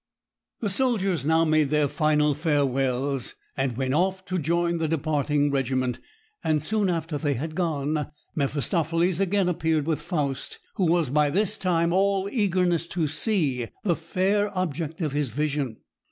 The soldiers now made their final farewells, and went off to join the departing regiment; and soon after they had gone, Mephistopheles again appeared with Faust, who was by this time all eagerness to see the fair object of his vision.